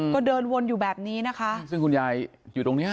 ก็เดินวนอยู่แบบนี้นะคะซึ่งคุณยายอยู่ตรงเนี้ย